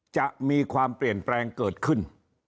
จะมีความเปลี่ยนแปลงเกิดขึ้น